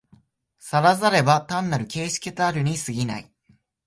然らざれば単なる形式たるに過ぎない。